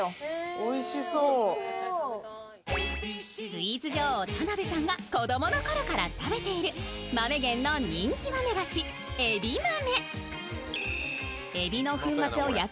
スイーツ女王、田辺さんが子供のころから食べている豆源の人気豆菓子、海老豆。